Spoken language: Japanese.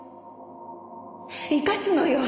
生かすのよ